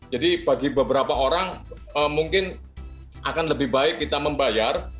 jadi bagi beberapa orang mungkin akan lebih baik kita membayar